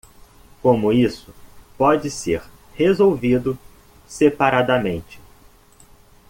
Como isso pode ser resolvido separadamente?